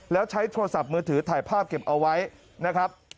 แล้วใช้โทรศัพท์มือถือถ่ายภาพเก็บเอาไว้นะครับ